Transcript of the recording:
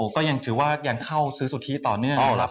ก็ยังถือว่ายังเข้าซื้อสุทธิต่อเนื่อง